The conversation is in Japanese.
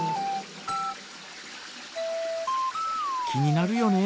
気になるよね。